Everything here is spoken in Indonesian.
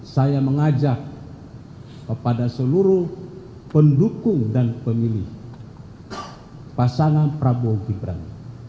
saya mengajak kepada seluruh pendukung dan pemilih pasangan prabowo gibran